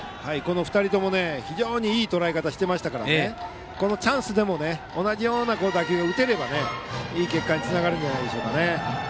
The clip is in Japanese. ２人ともいいとらえ方をしていましたからこのチャンスでも同じような打球を打てればいい結果につながるかと思います。